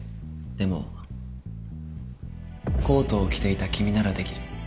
でもコートを着ていた君ならできる。